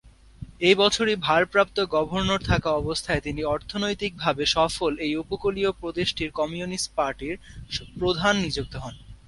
এ বছরই ভারপ্রাপ্ত গভর্নর থাকা অবস্থায় তিনি অর্থনৈতিকভাবে সফল এই উপকূলীয় প্রদেশটির কমিউনিস্ট পার্টির প্রধান নিযুক্ত হন।